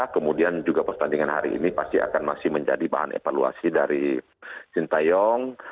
kemudian juga pertandingan hari ini pasti akan masih menjadi bahan evaluasi dari sintayong